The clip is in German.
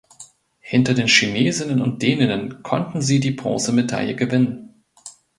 Hinter den Chinesinnen und Däninnen konnten sie die Bronzemedaille gewinnen.